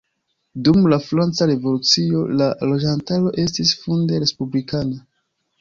Dum la franca revolucio, la loĝantaro estis funde respublikana.